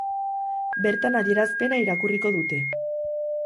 Bertan adierazpena irakurriko dute.